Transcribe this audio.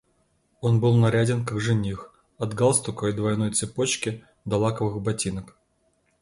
Он был наряден, как жених, от галстука и двойной цепочки до лаковых ботинок.